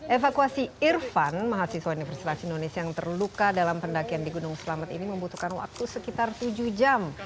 evakuasi irfan mahasiswa universitas indonesia yang terluka dalam pendakian di gunung selamet ini membutuhkan waktu sekitar tujuh jam